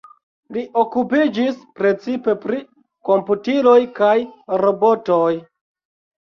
Li okupiĝis precipe pri komputiloj kaj robotoj.